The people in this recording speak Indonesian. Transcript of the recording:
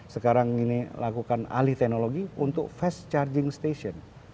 sekarang ini lakukan alih teknologi untuk fast charging station